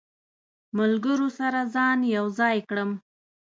ملګرو سره ځان یو ځای کړم.